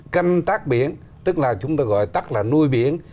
canh tác biển tức là chúng tôi gọi tắt là nuôi biển